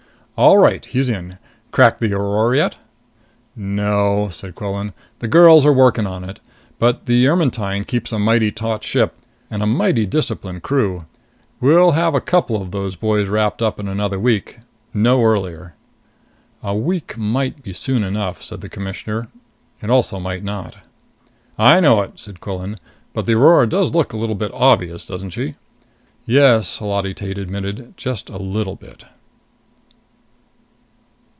"All right. He's in. Crack the Aurora yet?" "No," said Quillan. "The girls are working on it. But the Ermetyne keeps a mighty taut ship and a mighty disciplined crew. We'll have a couple of those boys wrapped up in another week. No earlier." "A week might be soon enough," said the Commissioner. "It also might not." "I know it," said Quillan. "But the Aurora does look a little bit obvious, doesn't she?" "Yes," Holati Tate admitted. "Just a little bit."